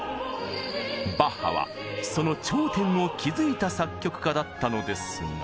バッハはその頂点を築いた作曲家だったのですが。